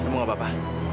kamu gak apa apa